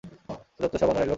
যত্তসব আনাড়ি লোক।